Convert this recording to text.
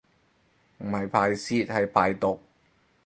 唔係排泄係排毒